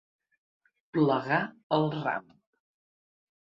Plegar el ram.